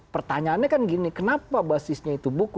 pertanyaannya kan gini kenapa basisnya itu buku